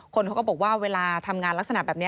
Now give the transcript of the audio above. คนเขาก็บอกว่าเวลาทำงานลักษณะแบบนี้